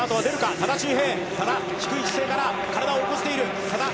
多田修平、低い姿勢から体を起こしている。